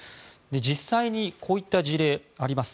実際にこういった事例あります。